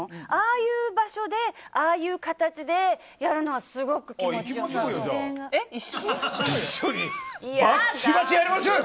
ああいう場所でああいう形でやるのはすごく気持ちよさそう。